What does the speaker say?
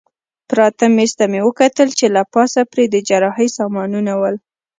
پراته مېز ته مې وکتل چې له پاسه پرې د جراحۍ سامانونه ول.